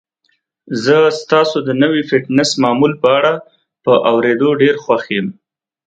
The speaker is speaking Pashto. زه ستاسو د نوي فټنس معمول په اړه په اوریدو ډیر خوښ یم.